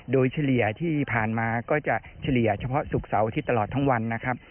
โดยเฉลี่ยที่ผ่านมาก็จะเฉลี่ยเฉพาะศุกร์เสาร์อาทิตย์ตลอดทั้งวันนะครับ